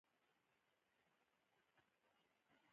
شېرګل د ماريا د ستړيا پام وکړ.